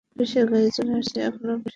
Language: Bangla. অফিসের গাড়ি চলে এসেছে, এখন অফিসে যাবেন।